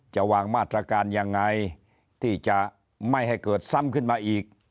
จะวางมาตรการยังไงที่จะไม่ให้เกิดซ้ำขึ้นมาอีก